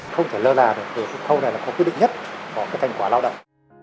không thể lơ là được thì khâu này là có quyết định nhất có cái thành quả lao động